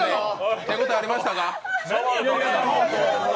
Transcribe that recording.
手応えありましたか？